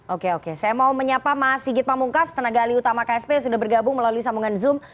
oke oke saya mau menyapa mas sigit pamungkas tenaga alih utama ksp sudah bergabung melalui sambungan zoom